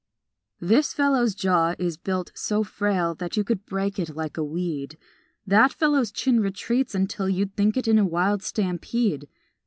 This fellow's jaw is built so frail That you could break it like a weed; That fellow's chin retreats until You'd think it in a wild stampede.